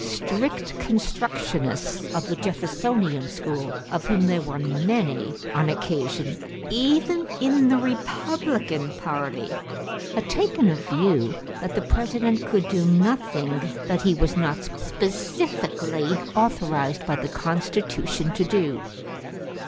Strict constructionists of the Jeffersonian school, of whom there were many on occasion even in the Republican party, had taken a view that the President could do nothing that he was not specifically authorized by the Constitution to do.